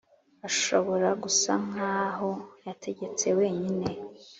ashobora gusa nkaho yategetse 'wenyine